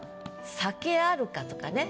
「酒あるか」とかね。